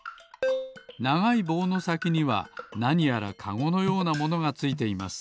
ながいぼうのさきにはなにやらカゴのようなものがついています。